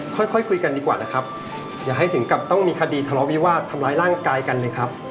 ค่อยค่อยคุยกันดีกว่านะครับอย่าให้ถึงกับต้องมีคดีทะเลาวิวาสทำร้ายร่างกายกันเลยครับ